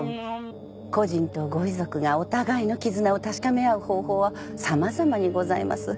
故人とご遺族がお互いの絆を確かめ合う方法は様々にございます。